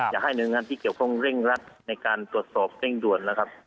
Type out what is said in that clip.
อยากให้หน่วยงานที่เกี่ยวข้องเร่งรัดในการตรวจสอบเร่งด่วนแล้วครับ